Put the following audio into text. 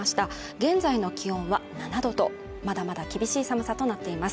現在の気温は７度とまだまだ厳しい寒さとなっています